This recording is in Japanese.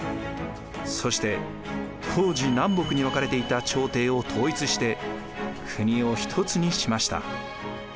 そして当時南北に分かれていた朝廷を統一して国を一つにしました。